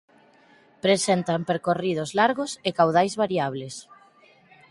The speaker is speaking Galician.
Presentan percorridos largos e caudais variables.